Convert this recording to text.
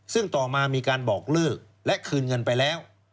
ซึ่งต่อมามีการบอกเลิกและคืนเงินไปแล้ว